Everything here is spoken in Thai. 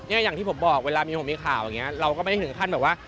อย่างที่ผมบอกเวลามีผมมีข่าวอย่างนี้เราก็ไม่ได้ถึงขั้นแบบว่า